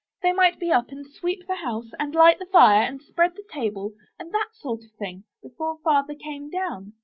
'They might be up and sweep the house, and Hght the fire, and spread the table, and that sort of thing, before Father came down.